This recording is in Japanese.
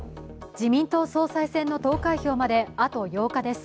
自民党総裁選の投開票まであと８日です。